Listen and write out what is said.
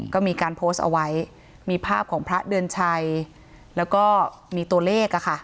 ก็มีการโพสต์เอาไว้มีภาพของพระเดือนชัยแล้วก็มีตัวเลข